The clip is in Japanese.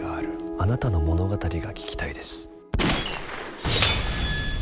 あなたの物語が聞きたいです。